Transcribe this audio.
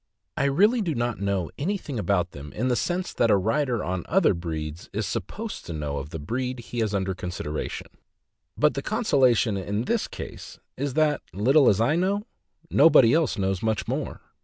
I really do not know anything about them in the sense that a writer on other breeds is supposed to know of the breed he has under consideration; but the consolation in this case is that, little as I know, nobody else knows much more.